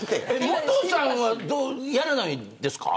モトさんはやらないんですか。